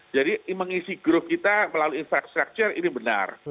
jadi mengisi growth kita melalui infrastructure ini benar